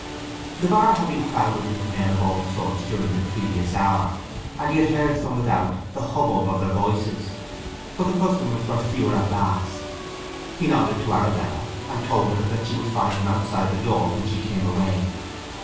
The bar had been crowded with men of all sorts during the previous hour, and he had heard from without the hubbub of their voices; but the customers were fewer at last. He nodded to Arabella, and told her that she would find him outside the door when she came away.